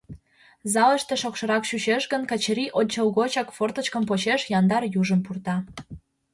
Залыште шокшырак чучеш гын, Качырий ончылгочак форточкым почеш, яндар южым пурта.